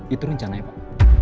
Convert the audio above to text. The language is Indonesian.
itu rencana ya pak